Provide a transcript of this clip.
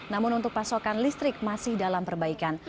namun untuk pasokan listrik masih dalam perbaikan